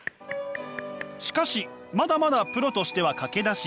しかしまだまだプロとしては駆け出し。